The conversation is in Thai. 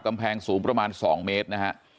กำแพงสูงประมาณ๒เมตรนะฮะ